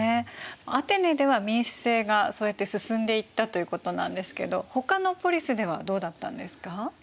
アテネでは民主政がそうやって進んでいったということなんですけどほかのポリスではどうだったんですか？